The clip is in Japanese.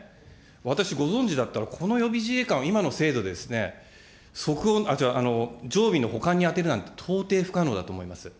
私、ご存じだったら、この予備自衛官を今の制度でですね、常備の補完に充てるなんて、到底不可能だと思います。